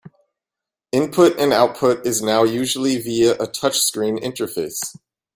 Input and output is now usually via a touch-screen interface.